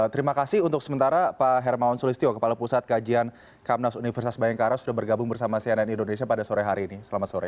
terima kasih untuk sementara pak hermawan sulistyo kepala pusat kajian kamnas universitas bayangkara sudah bergabung bersama cnn indonesia pada sore hari ini selamat sore